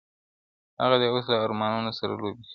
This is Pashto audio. ٫هغه دي اوس له ارمانونو سره لوبي کوي٫